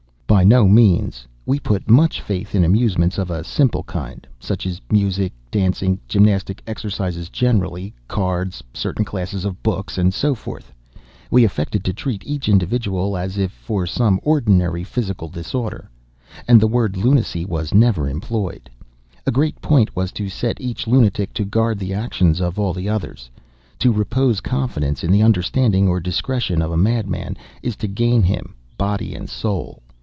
"By no means. We put much faith in amusements of a simple kind, such as music, dancing, gymnastic exercises generally, cards, certain classes of books, and so forth. We affected to treat each individual as if for some ordinary physical disorder; and the word 'lunacy' was never employed. A great point was to set each lunatic to guard the actions of all the others. To repose confidence in the understanding or discretion of a madman, is to gain him body and soul.